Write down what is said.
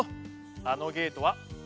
あのゲートは。